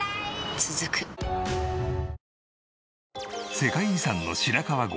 続く世界遺産の白川郷